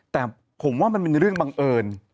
แต่ผมว่ามันเป็นเรื่องบังเอิญ